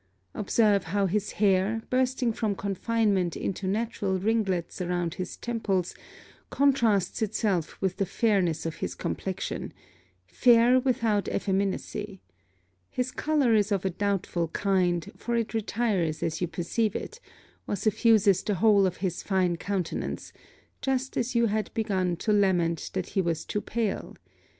Observe how his hair, bursting from confinement into natural ringlets around his temples, contrasts itself with the fairness of his complexion fair without effeminacy. His colour is of a doubtful kind; for it retires as you perceive it, or suffuses the whole of his fine countenance, just as you had begun to lament that he was too pale.